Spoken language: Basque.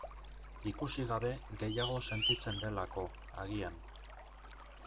Ikusi gabe gehiago sentitzen delako, agian.